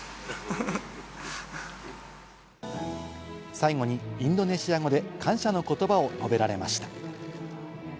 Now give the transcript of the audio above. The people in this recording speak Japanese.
最後にインドネシア語で感謝の言葉を述べられました。